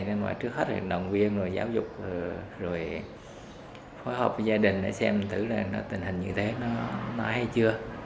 nên phải trước hết là đồng viên giáo dục rồi phối hợp với gia đình để xem tử là tình hình như thế nó hay chưa